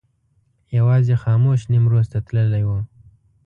یوازې خاموش نیمروز ته تللی و.